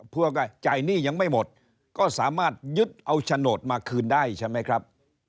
พวกก็จ่ายหนี้ยังไม่หมดก็สามารถยึดเอาโฉนดมาคืนได้ใช่ไหมครับ